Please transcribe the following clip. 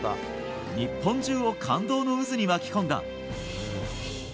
日本中を感動の渦に巻き込んだ。